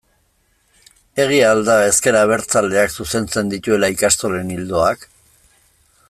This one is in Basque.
Egia al da ezker abertzaleak zuzentzen dituela ikastolen ildoak?